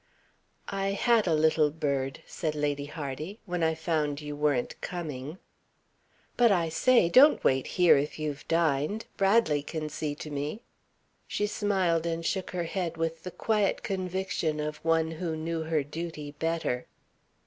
"I had a little bird," said Lady Hardy, "when I found you weren't coming." "But I say don't wait here if you've dined. Bradley can see to me." She smiled and shook her head with the quiet conviction of one who knew her duty better.